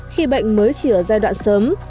khi bệnh mới chỉ ở giai đoạn sớm